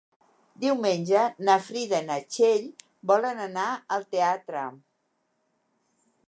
Diumenge na Frida i na Txell volen anar al teatre.